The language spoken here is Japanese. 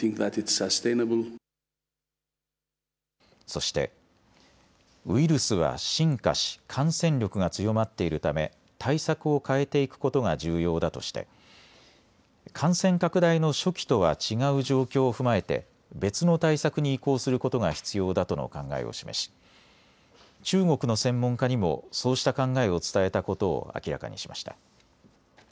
そして、ウイルスは進化し感染力が強まっているため対策を変えていくことが重要だとして感染拡大の初期とは違う状況を踏まえて別の対策に移行することが必要だとの考えを示し中国の専門家にもそうした考えを伝えたことを明らかにしました。